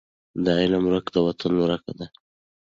د علم ورکه د وطن ورکه ده.